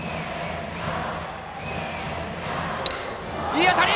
いい当たり！